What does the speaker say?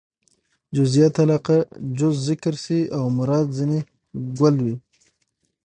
جزئيت علاقه؛ جز ذکر سي او مراد ځني کُل يي.